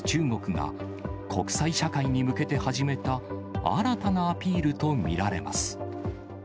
尖閣諸島の実効支配を目指す中国が、国際社会に向けて始めた新たなアピールと見られます。